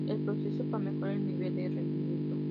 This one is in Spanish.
El proceso para mejorar el nivel de rendimiento.